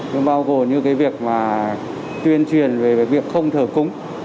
với bao gồm như cái việc mà tuyên truyền về việc không thờ cúng